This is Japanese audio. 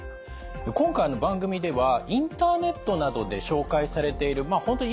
今回番組ではインターネットなどで紹介されている本当